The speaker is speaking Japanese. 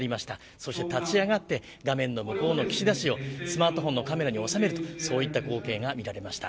そして立ち上がって画面の向こうの岸田氏をスマートフォンのカメラに収める光景が見られました。